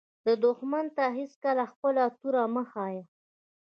دښمن ته هېڅکله خپله توره مه ښایه